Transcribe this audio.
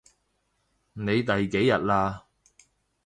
你第幾日喇？